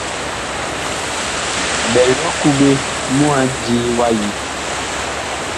Bɛl mikuɓe mu a ndii wa yi.